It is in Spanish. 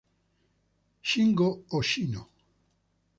Shingo Hoshino